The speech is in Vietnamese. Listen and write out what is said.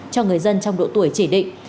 cho người dân trong độ tuổi chỉ định